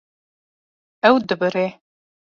Ew dibire.